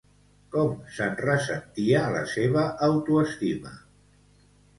Com se'n ressentia la seva autoestima?